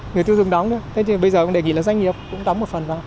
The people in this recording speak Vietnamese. người tiêu dùng đóng nữa thế thì bây giờ cũng đề nghị là doanh nghiệp cũng đóng một phần vào